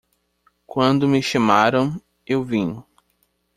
Quando me chamaram, eu vim